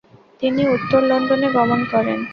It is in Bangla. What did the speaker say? তিনি উত্তর লন্ডনে গমণ করেন।